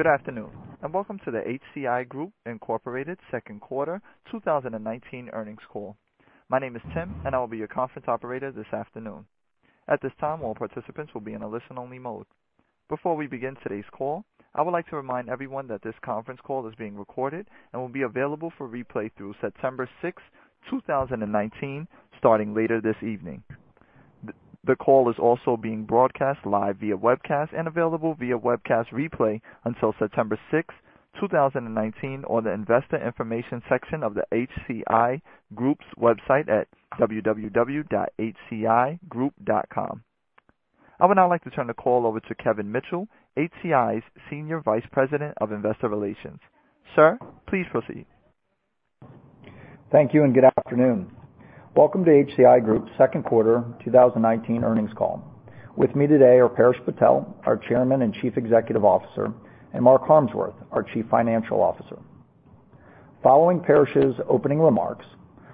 Good afternoon, and welcome to the HCI Group, Inc. second quarter 2019 earnings call. My name is Tim, and I will be your conference operator this afternoon. At this time, all participants will be in a listen-only mode. Before we begin today's call, I would like to remind everyone that this conference call is being recorded and will be available for replay through September 6th, 2019, starting later this evening. The call is also being broadcast live via webcast and available via webcast replay until September 6th, 2019, on the investor information section of the HCI Group's website at www.hcigroup.com. I would now like to turn the call over to Kevin Mitchell, HCI's Senior Vice President of Investor Relations. Sir, please proceed. Thank you and good afternoon. Welcome to HCI Group's second quarter 2019 earnings call. With me today are Paresh Patel, our Chairman and Chief Executive Officer, and Mark Harmsworth, our Chief Financial Officer. Following Paresh's opening remarks,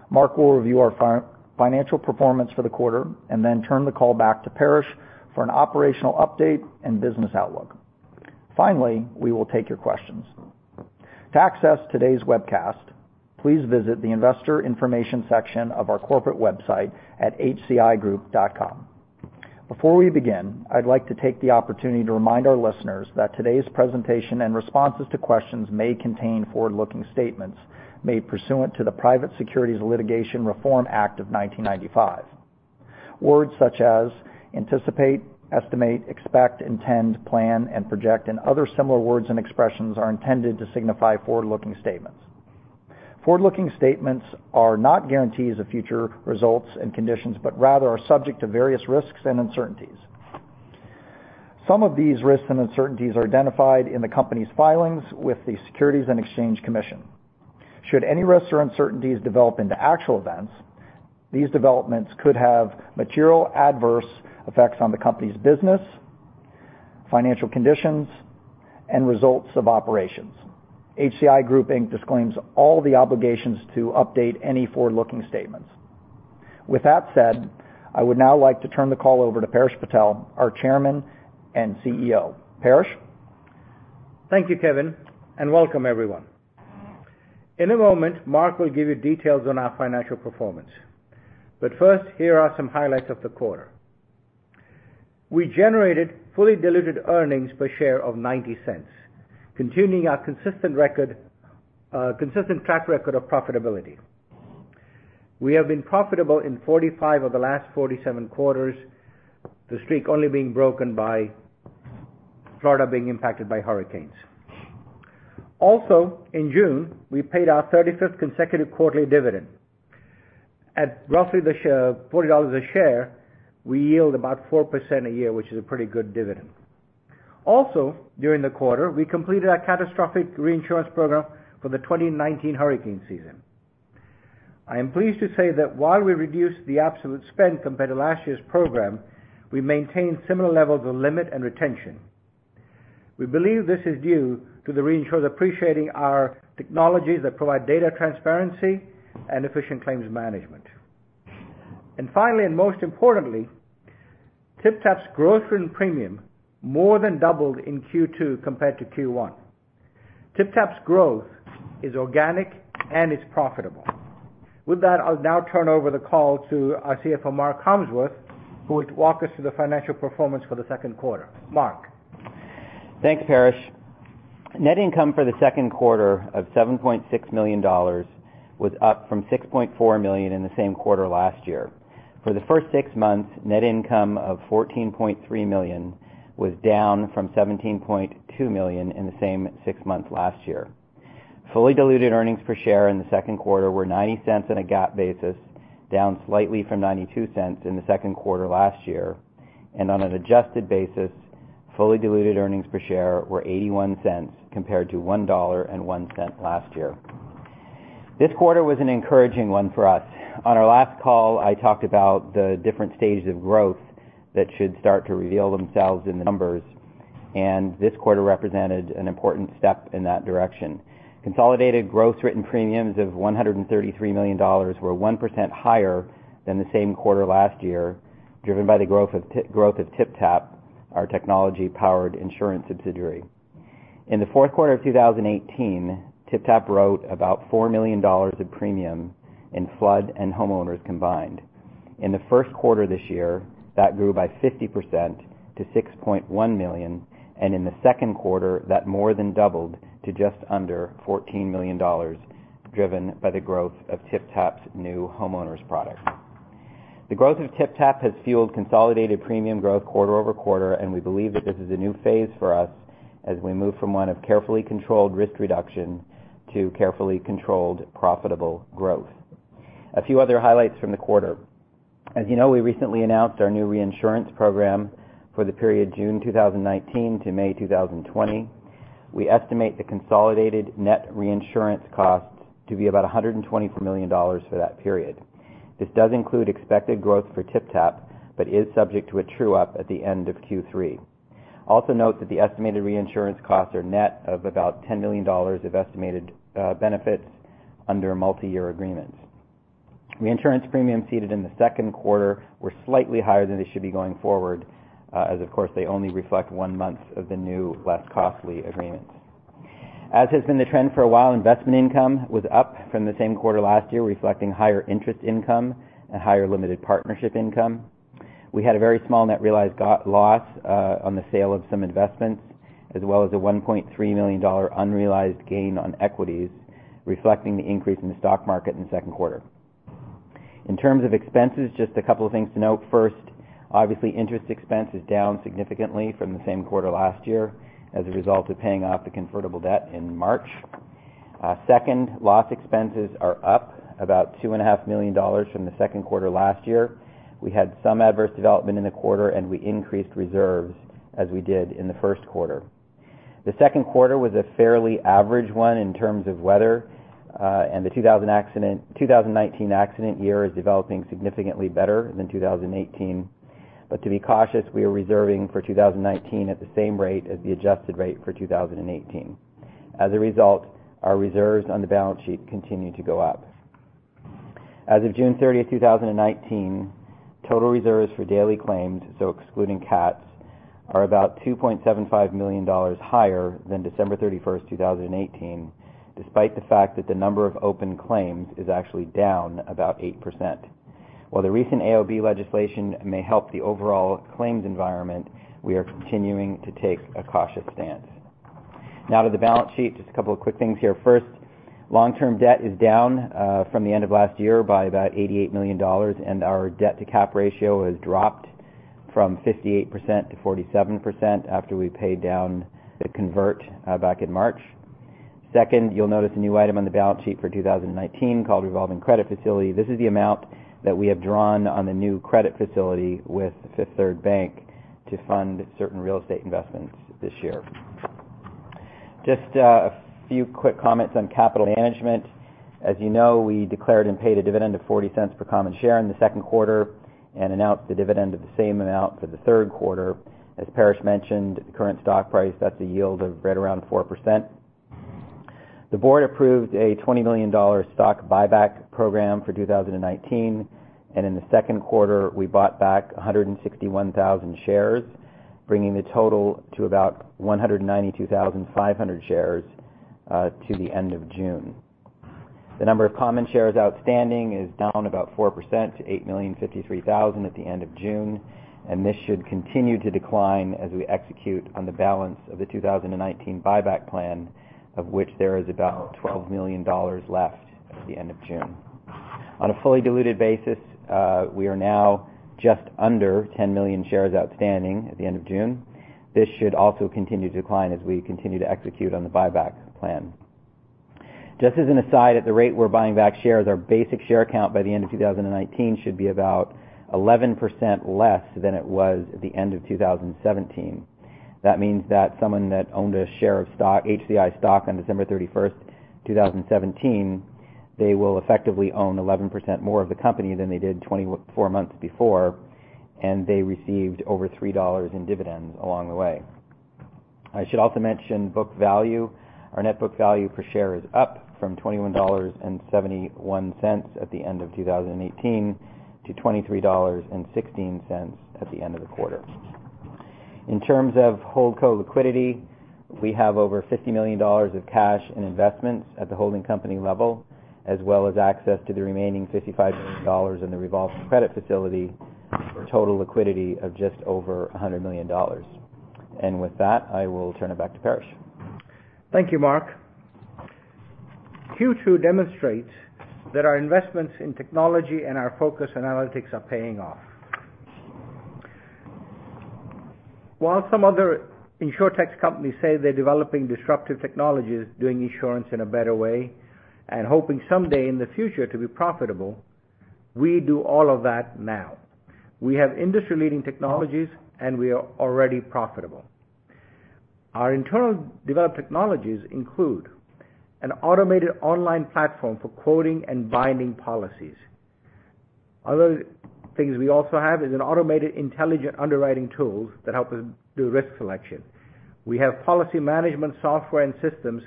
Mark will review our financial performance for the quarter and then turn the call back to Paresh for an operational update and business outlook. Finally, we will take your questions. To access today's webcast, please visit the investor information section of our corporate website at hcigroup.com. Before we begin, I'd like to take the opportunity to remind our listeners that today's presentation and responses to questions may contain forward-looking statements made pursuant to the Private Securities Litigation Reform Act of 1995. Words such as anticipate, estimate, expect, intend, plan, and project, and other similar words and expressions are intended to signify forward-looking statements. Forward-looking statements are not guarantees of future results and conditions, but rather are subject to various risks and uncertainties. Some of these risks and uncertainties are identified in the company's filings with the Securities and Exchange Commission. Should any risks or uncertainties develop into actual events, these developments could have material adverse effects on the company's business, financial conditions, and results of operations. HCI Group, Inc. disclaims all the obligations to update any forward-looking statements. With that said, I would now like to turn the call over to Paresh Patel, our Chairman and CEO. Paresh? Thank you, Kevin, and welcome everyone. In a moment, Mark will give you details on our financial performance. First, here are some highlights of the quarter. We generated fully diluted earnings per share of $0.90, continuing our consistent track record of profitability. We have been profitable in 45 of the last 47 quarters, the streak only being broken by Florida being impacted by hurricanes. Also, in June, we paid our 35th consecutive quarterly dividend. At roughly $40 a share, we yield about 4% a year, which is a pretty good dividend. Also, during the quarter, we completed our catastrophic reinsurance program for the 2019 hurricane season. I am pleased to say that while we reduced the absolute spend compared to last year's program, we maintained similar levels of limit and retention. We believe this is due to the reinsurers appreciating our technologies that provide data transparency and efficient claims management. Finally, and most importantly, TypTap's growth in premium more than doubled in Q2 compared to Q1. TypTap's growth is organic and it's profitable. With that, I'll now turn over the call to our CFO, Mark Harmsworth, who will walk us through the financial performance for the second quarter. Mark? Thanks, Paresh. Net income for the second quarter of $7.6 million was up from $6.4 million in the same quarter last year. For the first six months, net income of $14.3 million was down from $17.2 million in the same six months last year. Fully diluted earnings per share in the second quarter were $0.90 on a GAAP basis, down slightly from $0.92 in the second quarter last year, and on an adjusted basis, fully diluted earnings per share were $0.81 compared to $1.01 last year. This quarter was an encouraging one for us. On our last call, I talked about the different stages of growth that should start to reveal themselves in the numbers, and this quarter represented an important step in that direction. Consolidated growth-written premiums of $133 million were 1% higher than the same quarter last year, driven by the growth of TypTap, our technology-powered insurance subsidiary. In the fourth quarter of 2018, TypTap wrote about $4 million of premium in flood and homeowners combined. In the first quarter this year, that grew by 50% to $6.1 million, and in the second quarter, that more than doubled to just under $14 million, driven by the growth of TypTap's new homeowners product. The growth of TypTap has fueled consolidated premium growth quarter-over-quarter, and we believe that this is a new phase for us as we move from one of carefully controlled risk reduction to carefully controlled profitable growth. A few other highlights from the quarter. As you know, we recently announced our new reinsurance program for the period June 2019 to May 2020. We estimate the consolidated net reinsurance costs to be about $124 million for that period. This does include expected growth for TypTap but is subject to a true-up at the end of Q3. Also note that the estimated reinsurance costs are net of about $10 million of estimated benefits under a multiyear agreement. The insurance premiums ceded in the second quarter were slightly higher than they should be going forward, as of course, they only reflect one month of the new, less costly agreement. As has been the trend for a while, investment income was up from the same quarter last year, reflecting higher interest income and higher limited partnership income. We had a very small net realized loss on the sale of some investments, as well as a $1.3 million unrealized gain on equities, reflecting the increase in the stock market in the second quarter. In terms of expenses, just a couple of things to note. First, obviously, interest expense is down significantly from the same quarter last year as a result of paying off the convertible debt in March. Second, loss expenses are up about $2.5 million from the second quarter last year. We had some adverse development in the quarter, and we increased reserves as we did in the first quarter. The second quarter was a fairly average one in terms of weather. The 2019 accident year is developing significantly better than 2018. To be cautious, we are reserving for 2019 at the same rate as the adjusted rate for 2018. As a result, our reserves on the balance sheet continue to go up. As of June 30th, 2019, total reserves for daily claims, so excluding CATs, are about $2.75 million higher than December 31st, 2018, despite the fact that the number of open claims is actually down about 8%. While the recent AOB legislation may help the overall claims environment, we are continuing to take a cautious stance. Now to the balance sheet, just a couple of quick things here. First, long-term debt is down from the end of last year by about $88 million, and our debt-to-cap ratio has dropped from 58% to 47% after we paid down the convert back in March. Second, you'll notice a new item on the balance sheet for 2019 called revolving credit facility. This is the amount that we have drawn on the new credit facility with Fifth Third Bank to fund certain real estate investments this year. Just a few quick comments on capital management. As you know, we declared and paid a dividend of $0.40 per common share in the second quarter and announced the dividend of the same amount for the third quarter. As Paresh mentioned, at the current stock price, that's a yield of right around 4%. The board approved a $20 million stock buyback program for 2019, and in the second quarter, we bought back 161,000 shares, bringing the total to about 192,500 shares to the end of June. The number of common shares outstanding is down about 4% to 8,053,000 at the end of June. This should continue to decline as we execute on the balance of the 2019 buyback plan, of which there is about $12 million left at the end of June. On a fully diluted basis, we are now just under 10 million shares outstanding at the end of June. This should also continue to decline as we continue to execute on the buyback plan. Just as an aside, at the rate we're buying back shares, our basic share count by the end of 2019 should be about 11% less than it was at the end of 2017. That means that someone that owned a share of HCI stock on December 31st, 2017, they will effectively own 11% more of the company than they did 24 months before, and they received over $3 in dividends along the way. I should also mention book value. Our net book value per share is up from $21.71 at the end of 2018 to $23.16 at the end of the quarter. In terms of HoldCo liquidity, we have over $50 million of cash and investments at the holding company level, as well as access to the remaining $55 million in the revolving credit facility for a total liquidity of just over $100 million. With that, I will turn it back to Paresh. Thank you, Mark. Q2 demonstrates that our investments in technology and our focus on analytics are paying off. While some other insurtech companies say they're developing disruptive technologies, doing insurance in a better way, and hoping someday in the future to be profitable, we do all of that now. We have industry-leading technologies. We are already profitable. Our internal developed technologies include an automated online platform for quoting and binding policies. Other things we also have is an automated intelligent underwriting tool that help us do risk selection. We have policy management software and systems.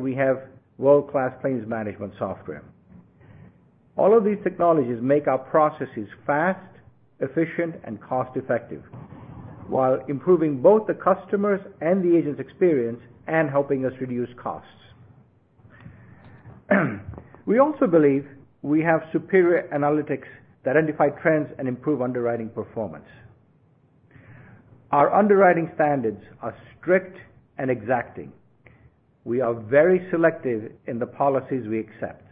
We have world-class claims management software. All of these technologies make our processes fast, efficient, and cost-effective while improving both the customers' and the agents' experience and helping us reduce costs. We also believe we have superior analytics that identify trends and improve underwriting performance. Our underwriting standards are strict and exacting. We are very selective in the policies we accept.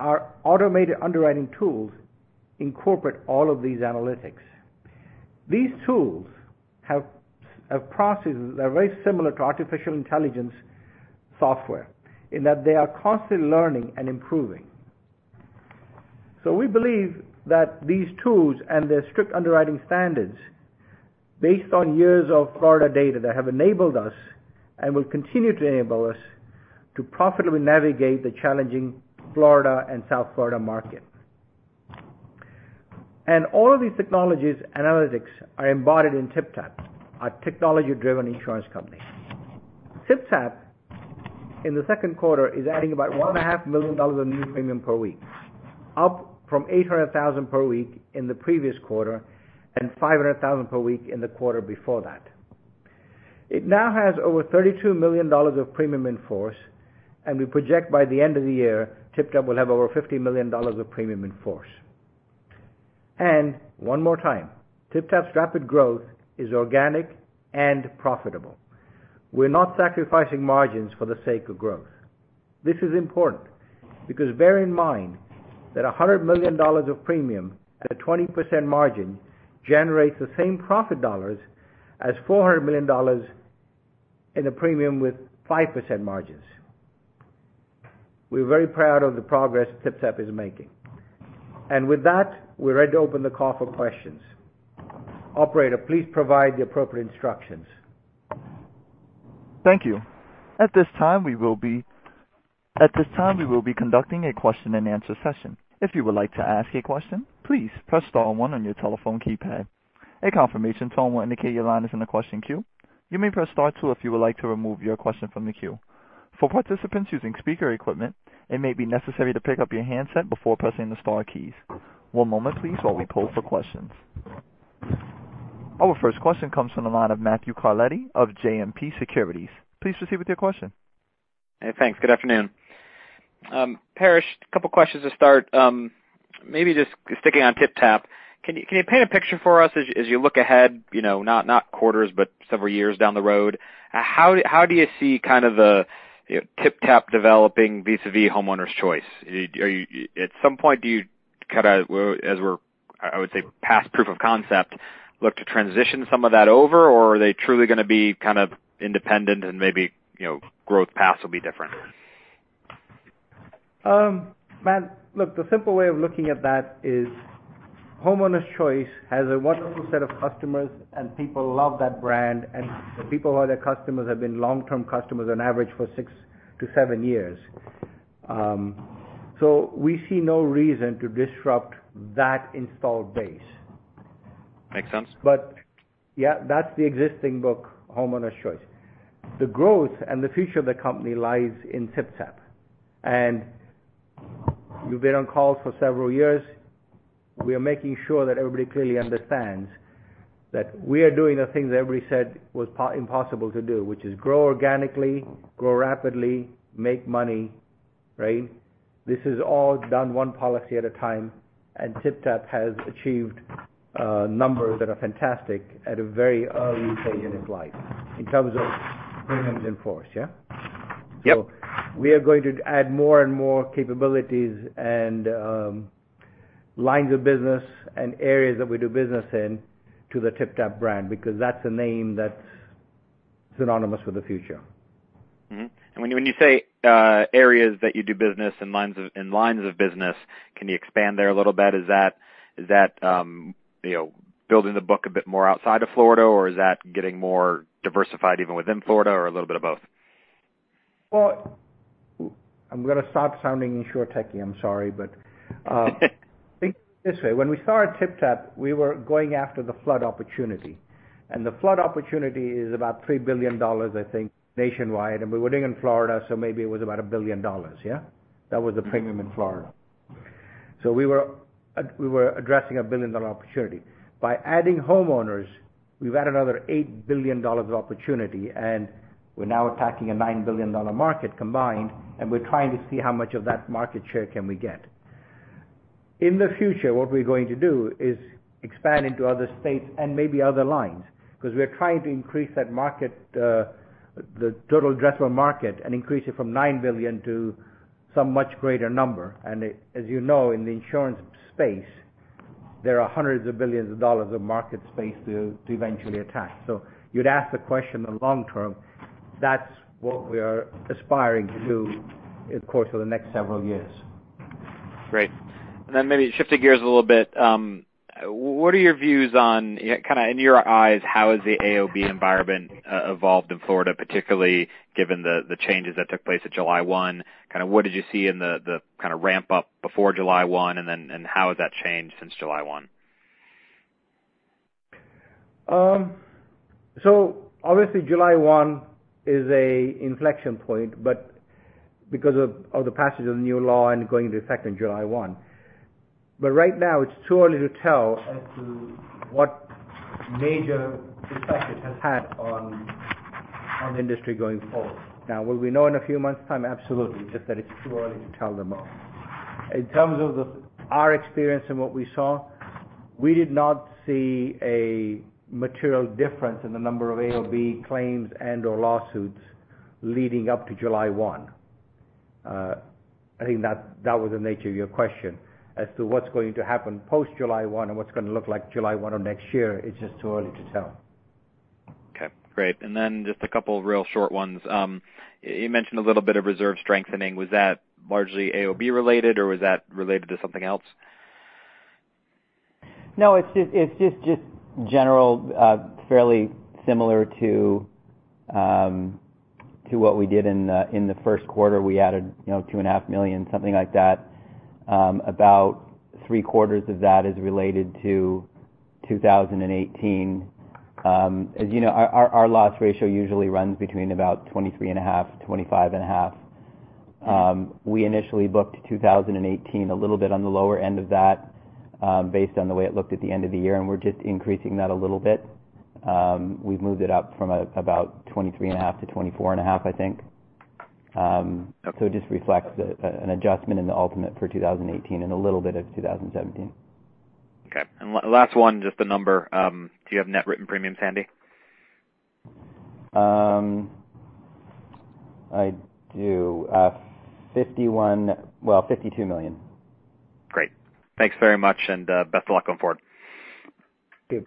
Our automated underwriting tools incorporate all of these analytics. These tools have processes that are very similar to artificial intelligence software in that they are constantly learning and improving. We believe that these tools and their strict underwriting standards based on years of Florida data that have enabled us and will continue to enable us to profitably navigate the challenging Florida and South Florida market. All of these technologies analytics are embodied in TypTap, our technology driven insurance company. TypTap, in the second quarter, is adding about $1.5 million of new premium per week, up from $800,000 per week in the previous quarter and $500,000 per week in the quarter before that. It now has over $32 million of premium in force. We project by the end of the year, TypTap will have over $50 million of premium in force. One more time, TypTap's rapid growth is organic and profitable. We're not sacrificing margins for the sake of growth. This is important, because bear in mind that $100 million of premium at a 20% margin generates the same profit dollars as $400 million in a premium with 5% margins. We're very proud of the progress TypTap is making. With that, we're ready to open the call for questions. Operator, please provide the appropriate instructions. Thank you. At this time, we will be conducting a question and answer session. If you would like to ask a question, please press star one on your telephone keypad. A confirmation tone will indicate your line is in the question queue. You may press star two if you would like to remove your question from the queue. For participants using speaker equipment, it may be necessary to pick up your handset before pressing the star keys. One moment please while we poll for questions. Our first question comes from the line of Matthew Carletti of JMP Securities. Please proceed with your question. Hey, thanks. Good afternoon. Paresh, a couple questions to start. Maybe just sticking on TypTap. Can you paint a picture for us as you look ahead, not quarters, but several years down the road? How do you see kind of the TypTap developing vis-a-vis Homeowners Choice? At some point, do you kind of, as we're, I would say, past proof of concept, look to transition some of that over, or are they truly going to be kind of independent and maybe growth paths will be different? Matt, look, the simple way of looking at that is Homeowners Choice has a wonderful set of customers, and people love that brand, and the people who are their customers have been long-term customers on average for six to seven years. We see no reason to disrupt that installed base. Makes sense. Yeah, that's the existing book, Homeowners Choice. The growth and the future of the company lies in TypTap. You've been on calls for several years. We are making sure that everybody clearly understands that we are doing the things that everybody said was impossible to do, which is grow organically, grow rapidly, make money. Right? This is all done one policy at a time, and TypTap has achieved numbers that are fantastic at a very early stage in its life in terms of premiums in force. Yeah? Yep. We are going to add more and more capabilities and lines of business and areas that we do business in to the TypTap brand, because that's a name that's synonymous with the future. When you say areas that you do business and lines of business, can you expand there a little bit? Is that building the book a bit more outside of Florida, or is that getting more diversified even within Florida or a little bit of both? Well, I'm going to start sounding insurtech-y. I'm sorry, think of it this way. When we started TypTap, we were going after the flood opportunity, and the flood opportunity is about $3 billion, I think, nationwide. We were doing it in Florida, so maybe it was about $1 billion. Yeah? That was the premium in Florida. We were addressing a $1 billion-dollar opportunity. By adding homeowners, we've added another $8 billion of opportunity, and we're now attacking a $9 billion market combined. We're trying to see how much of that market share can we get. In the future, what we're going to do is expand into other states and maybe other lines, because we're trying to increase that market, the total addressable market, and increase it from $9 billion to some much greater number. As you know, in the insurance space, there are hundreds of billions of dollars of market space to eventually attack. You'd ask the question of long term, that's what we are aspiring to do, of course, over the next several years. Great. Maybe shifting gears a little bit, what are your views on, kind of in your eyes, how has the AOB environment evolved in Florida, particularly given the changes that took place at July 1? What did you see in the kind of ramp up before July 1, and then how has that changed since July 1? Obviously, July 1 is a inflection point because of the passage of the new law and going into effect on July 1. Right now it's too early to tell as to what major effect it has had on industry going forward. Will we know in a few months' time? Absolutely. Just that it's too early to tell them all. In terms of our experience and what we saw, we did not see a material difference in the number of AOB claims and or lawsuits leading up to July 1. I think that was the nature of your question as to what's going to happen post July 1 and what's going to look like July 1 of next year. It's just too early to tell. Okay, great. Just a couple real short ones. You mentioned a little bit of reserve strengthening. Was that largely AOB related, or was that related to something else? No, it's just general, fairly similar to To what we did in the first quarter, we added two and a half million, something like that. About three-quarters of that is related to 2018. As you know, our loss ratio usually runs between about 23 and a half, 25 and a half. We initially booked 2018 a little bit on the lower end of that based on the way it looked at the end of the year, and we're just increasing that a little bit. We've moved it up from about 23 and a half to 24 and a half, I think. It just reflects an adjustment in the ultimate for 2018 and a little bit of 2017. Okay. Last one, just a number. Do you have net written premiums handy? I do. 51, well, $52 million. Great. Thanks very much, and best of luck going forward. Good.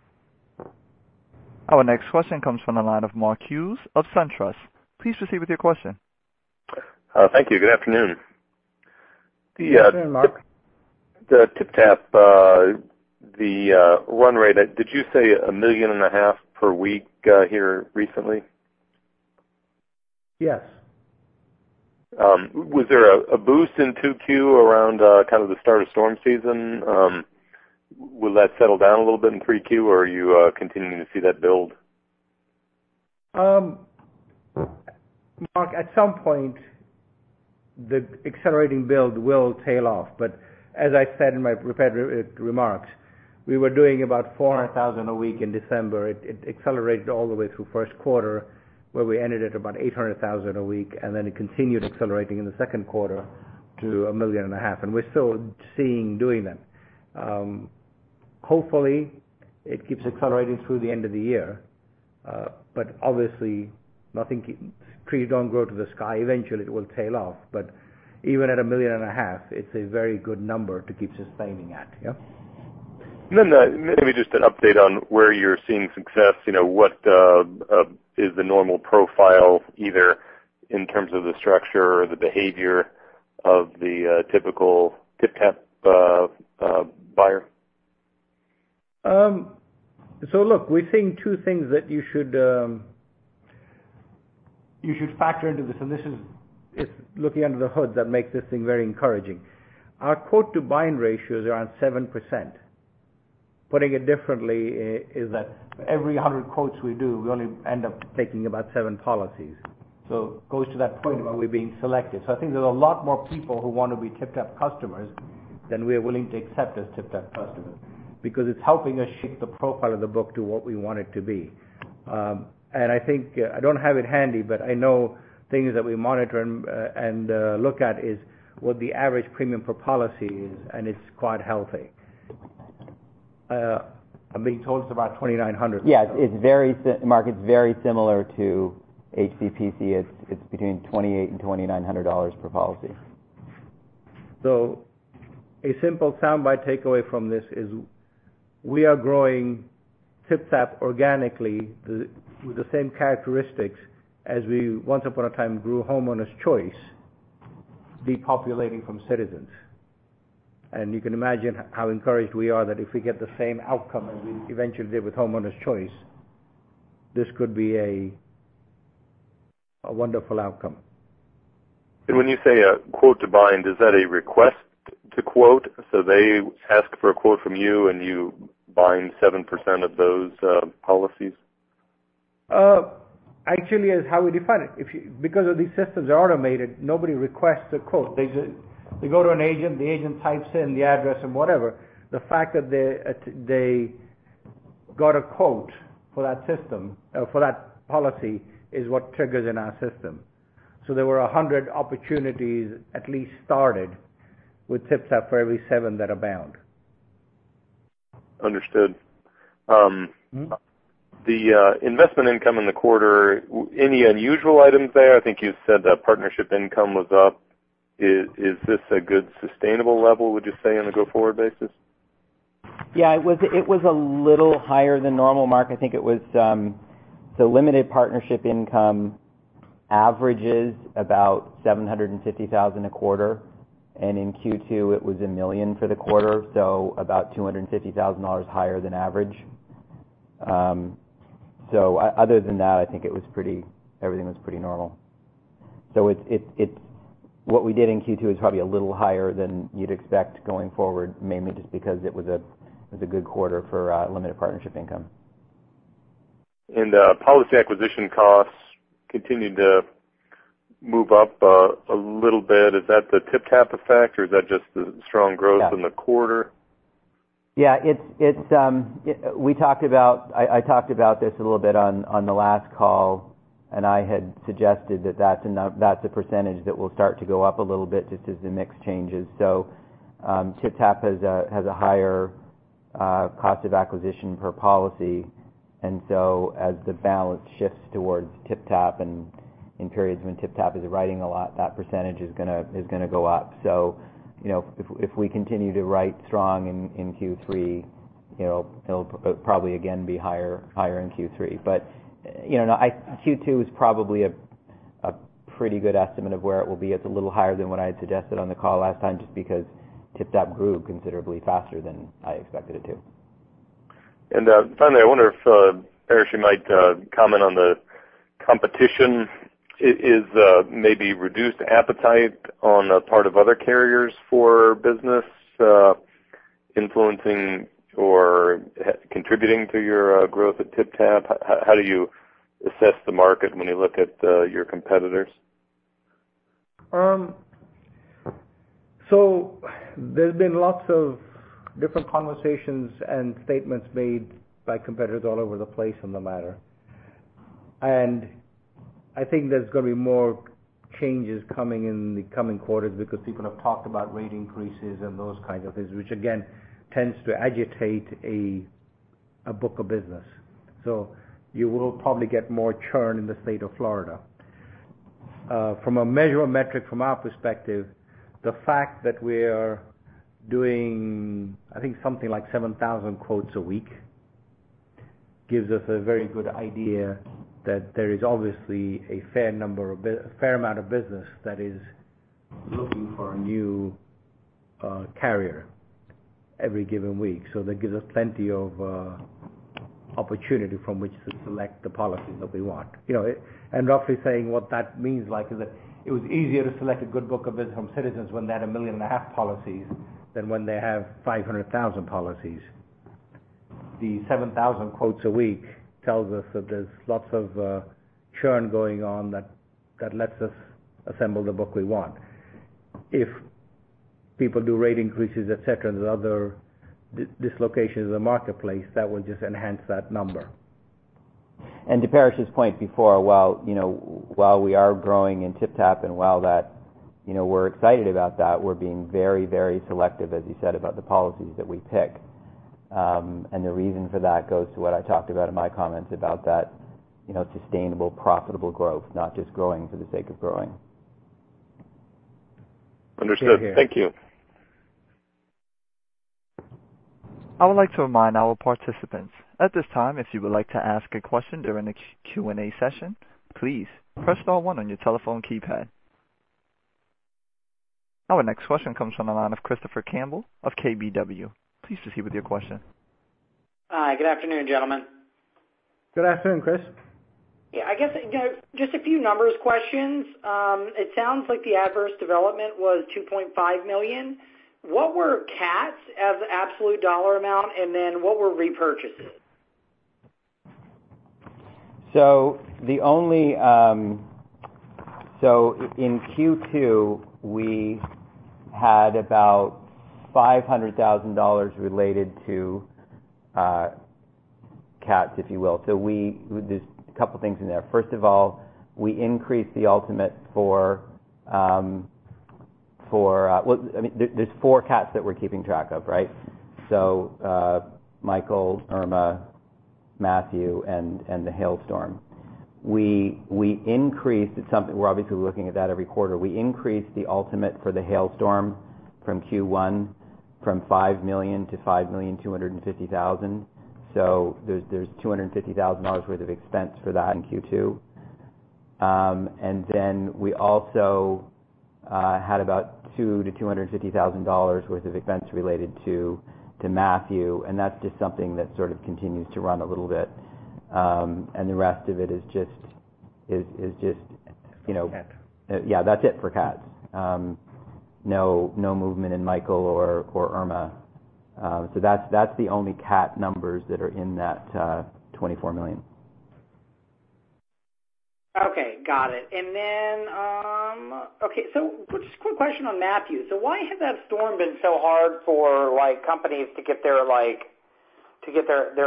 Our next question comes from the line of Mark Hughes of SunTrust. Please proceed with your question. Thank you. Good afternoon. Good afternoon, Mark. The TypTap, the run rate, did you say a million and a half per week here recently? Yes. Was there a boost in 2Q around kind of the start of storm season? Will that settle down a little bit in 3Q, or are you continuing to see that build? Mark, at some point the accelerating build will tail off, but as I said in my prepared remarks, we were doing about $400,000 a week in December. It accelerated all the way through first quarter, where we ended at about $800,000 a week, and then it continued accelerating in the second quarter to a million and a half. We're still seeing doing that. Hopefully, it keeps accelerating through the end of the year. Obviously, trees don't go to the sky. Eventually, it will tail off. But even at a million and a half, it's a very good number to keep sustaining at, yeah. Maybe just an update on where you're seeing success. What is the normal profile, either in terms of the structure or the behavior of the typical TypTap buyer? Look, we're seeing two things that you should factor into this, This is looking under the hood that makes this thing very encouraging. Our quote-to-bind ratio is around 7%. Putting it differently is that every 100 quotes we do, we only end up taking about seven policies. It goes to that point about we're being selective. I think there's a lot more people who want to be TypTap customers than we are willing to accept as TypTap customers because it's helping us shape the profile of the book to what we want it to be. I think, I don't have it handy, but I know things that we monitor and look at is what the average premium per policy is, and it's quite healthy. I'm being told it's about $2,900. Mark, it's very similar to HCPC. It's between $2,800 and $2,900 per policy. A simple soundbite takeaway from this is we are growing TypTap organically with the same characteristics as we once upon a time grew Homeowners Choice, depopulating from Citizens. You can imagine how encouraged we are that if we get the same outcome as we eventually did with Homeowners Choice, this could be a wonderful outcome. When you say a quote to bind, is that a request to quote? They ask for a quote from you and you bind 7% of those policies? Actually, it's how we define it. These systems are automated, nobody requests a quote. They go to an agent, the agent types in the address and whatever. The fact that they got a quote for that policy is what triggers in our system. There were 100 opportunities at least started with TypTap for every seven that are bound. Understood. The investment income in the quarter, any unusual items there? I think you said that partnership income was up. Is this a good sustainable level, would you say, on a go-forward basis? Yeah, it was a little higher than normal, Mark. I think it was the limited partnership income averages about $750,000 a quarter, and in Q2 it was $1 million for the quarter, so about $250,000 higher than average. Other than that, I think everything was pretty normal. What we did in Q2 is probably a little higher than you'd expect going forward, mainly just because it was a good quarter for limited partnership income. Policy acquisition costs continued to move up a little bit. Is that the TypTap effect or is that just the strong growth in the quarter? Yeah. I talked about this a little bit on the last call, I had suggested that that's a percentage that will start to go up a little bit just as the mix changes. TypTap has a higher cost of acquisition per policy, as the balance shifts towards TypTap and in periods when TypTap is writing a lot, that percentage is going to go up. If we continue to write strong in Q3, it'll probably again be higher in Q3. Q2 is probably a pretty good estimate of where it will be. It's a little higher than what I had suggested on the call last time, just because TypTap grew considerably faster than I expected it to. I wonder if, Paresh, you might comment on the competition. Is maybe reduced appetite on the part of other carriers for business influencing or contributing to your growth at TypTap? How do you assess the market when you look at your competitors? There's been lots of different conversations and statements made by competitors all over the place on the matter. I think there's going to be more changes coming in the coming quarters because people have talked about rate increases and those kind of things, which again, tends to agitate a book of business. You will probably get more churn in the state of Florida. From a measure or metric from our perspective, the fact that we're doing, I think, something like 7,000 quotes a week gives us a very good idea that there is obviously a fair amount of business that is looking for a new carrier every given week. That gives us plenty of opportunity from which to select the policies that we want. Roughly saying what that means like is that it was easier to select a good book of business from Citizens when they had a million and a half policies than when they have 500,000 policies. The 7,000 quotes a week tells us that there's lots of churn going on that lets us assemble the book we want. If people do rate increases, et cetera, and other dislocations in the marketplace, that will just enhance that number. To Paresh's point before, while we are growing in TypTap and while we're excited about that, we're being very, very selective, as you said, about the policies that we pick. The reason for that goes to what I talked about in my comments about that sustainable, profitable growth, not just growing for the sake of growing. Understood. Thank you. I would like to remind our participants, at this time, if you would like to ask a question during the Q&A session, please press star one on your telephone keypad. Our next question comes from the line of Christopher Campbell of KBW. Please proceed with your question. Hi. Good afternoon, gentlemen. Good afternoon, Chris. I guess just a few numbers questions. It sounds like the adverse development was $2.5 million. What were CATs as absolute dollar amount, and then what were repurchases? In Q2, we had about $500,000 related to CATs, if you will. There's a couple things in there. First of all, we increased the ultimate. There's four CATs that we're keeping track of, right? Hurricane Michael, Hurricane Irma, Hurricane Matthew, and the hailstorm. We increased something. We're obviously looking at that every quarter. We increased the ultimate for the hailstorm from Q1 from $5 million to $5,250,000. There's $250,000 worth of expense for that in Q2. We also had about two to $250,000 worth of expense related to Hurricane Matthew, and that's just something that sort of continues to run a little bit. The rest of it is just. Cats. That's it for CATs. No movement in Hurricane Michael or Hurricane Irma. That's the only CAT numbers that are in that $24 million. Okay. Got it. Just a quick question on Hurricane Matthew. Why has that storm been so hard for companies to get their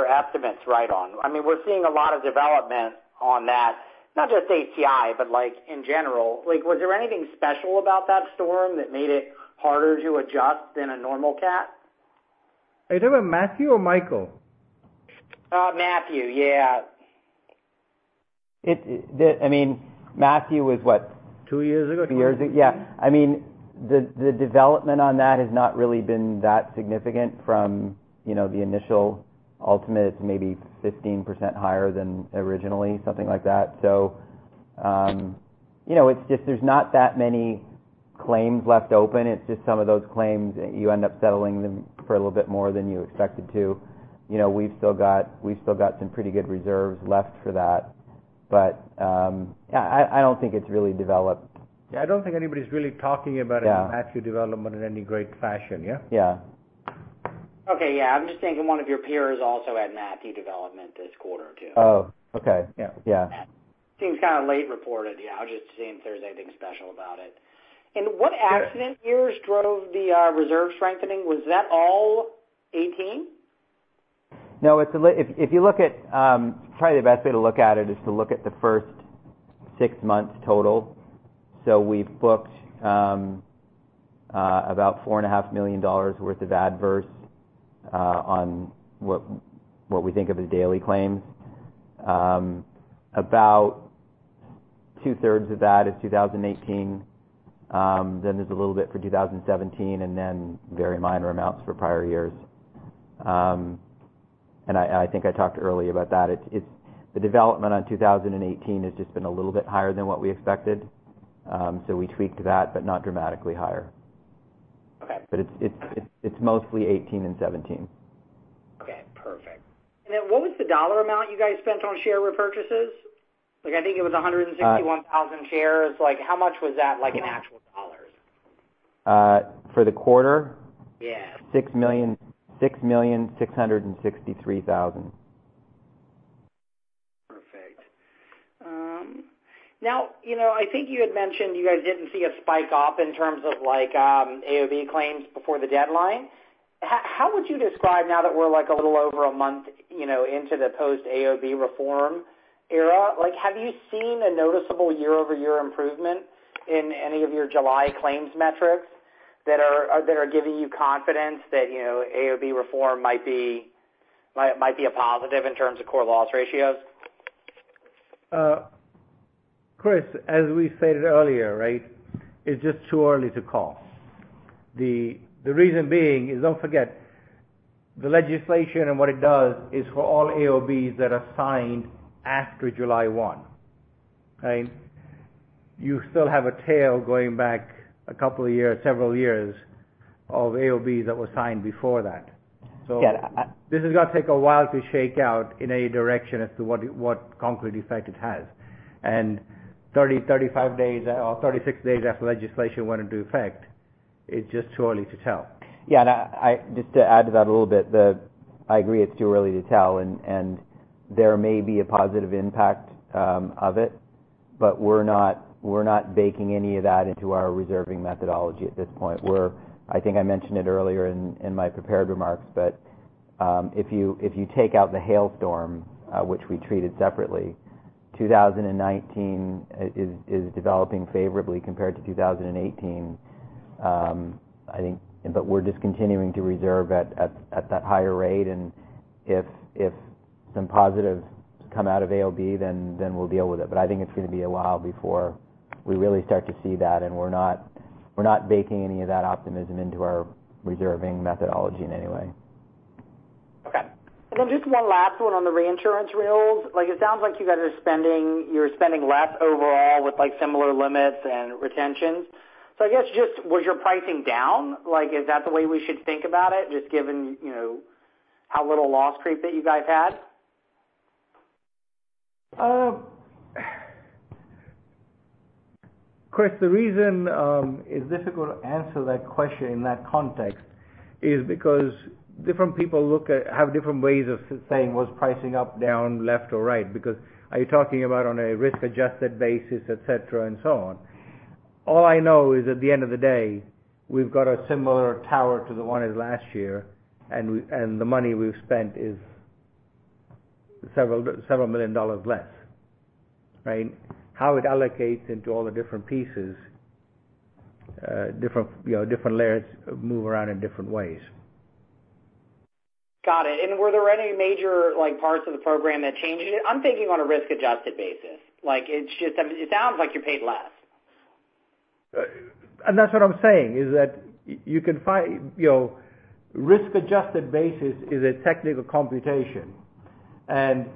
estimates right on? We're seeing a lot of development on that, not just HCI, but in general. Was there anything special about that storm that made it harder to adjust than a normal CAT? Are you talking about Hurricane Matthew or Hurricane Michael? Hurricane Matthew, yeah. Hurricane Matthew was what? Two years ago. Two years, yeah. The development on that has not really been that significant from the initial ultimate. It's maybe 15% higher than originally, something like that. There's not that many claims left open. It's just some of those claims, you end up settling them for a little bit more than you expected to. We've still got some pretty good reserves left for that. I don't think it's really developed. Yeah, I don't think anybody's really talking about- Yeah Matthew development in any great fashion, yeah? Yeah. Okay. Yeah. I'm just thinking one of your peers also had Matthew development this quarter too. Oh, okay. Yeah. Yeah. Seems kind of late reported, yeah. I was just seeing if there's anything special about it. What accident years drove the reserve strengthening? Was that all 2018? No. Probably the best way to look at it is to look at the first six months total. We've booked about four and a half million dollars worth of adverse on what we think of as daily claims. About two-thirds of that is 2018. There's a little bit for 2017, very minor amounts for prior years. I think I talked earlier about that. The development on 2018 has just been a little bit higher than what we expected. We tweaked that, but not dramatically higher. Okay. It's mostly 2018 and 2017. Okay. Perfect. What was the dollar amount you guys spent on share repurchases? I think it was 161,000 shares. How much was that in actual dollars? For the quarter? Yeah. $6,663,000. Perfect. I think you had mentioned you guys didn't see a spike up in terms of AOB claims before the deadline. How would you describe, now that we're a little over a month into the post-AOB reform era, have you seen a noticeable year-over-year improvement in any of your July claims metrics that are giving you confidence that AOB reform might be a positive in terms of core loss ratios? Chris, as we stated earlier, it's just too early to call. The reason being is, don't forget, the legislation and what it does is for all AOBs that are signed after July 1. You still have a tail going back a couple of years, several years, of AOBs that were signed before that. Yeah. This has got to take a while to shake out in any direction as to what concrete effect it has. 35 days or 36 days after legislation went into effect, it's just too early to tell. Just to add to that a little bit. I agree it's too early to tell. There may be a positive impact of it, we're not baking any of that into our reserving methodology at this point. I think I mentioned it earlier in my prepared remarks. If you take out the hailstorm, which we treated separately, 2019 is developing favorably compared to 2018. We're just continuing to reserve at that higher rate. If some positives come out of AOB, we'll deal with it. I think it's going to be a while before we really start to see that, we're not baking any of that optimism into our reserving methodology in any way. Just one last one on the reinsurance deals. It sounds like you're spending less overall with similar limits and retentions. I guess, just was your pricing down? Is that the way we should think about it, just given how little loss creep that you guys had? Chris, the reason it's difficult to answer that question in that context is because different people have different ways of saying, "Was pricing up, down, left or right?" Are you talking about on a risk-adjusted basis, et cetera, and so on. All I know is at the end of the day, we've got a similar tower to the one as last year. The money we've spent is $several million less. How it allocates into all the different pieces, different layers move around in different ways. Got it. Were there any major parts of the program that changed? I'm thinking on a risk-adjusted basis. It sounds like you paid less. That's what I'm saying, is that risk-adjusted basis is a technical computation, and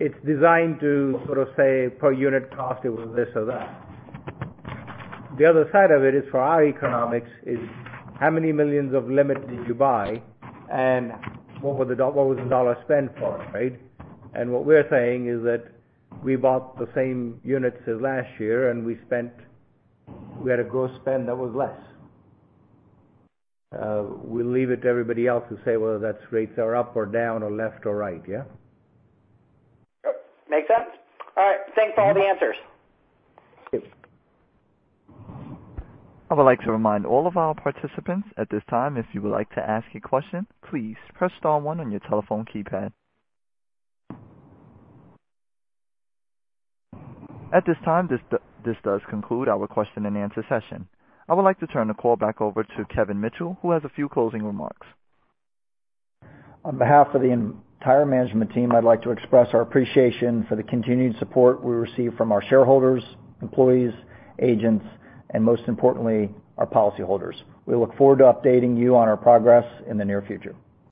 it's designed to say per unit cost, it was this or that. The other side of it is for our economics is how many millions of limit did you buy and what was the dollar spend for? What we're saying is that we bought the same units as last year, and we had a gross spend that was less. We'll leave it to everybody else to say whether that's rates are up or down or left or right. Yeah. Makes sense. All right. Thanks for all the answers. Yeah. I would like to remind all of our participants at this time, if you would like to ask a question, please press star one on your telephone keypad. At this time, this does conclude our question and answer session. I would like to turn the call back over to Kevin Mitchell, who has a few closing remarks. On behalf of the entire management team, I'd like to express our appreciation for the continued support we receive from our shareholders, employees, agents, and most importantly, our policyholders. We look forward to updating you on our progress in the near future.